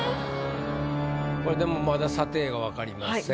これでもまだ査定が分かりません。